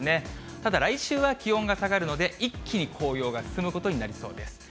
ただ、来週は気温が下がるので、一気に紅葉が進むことになりそうです。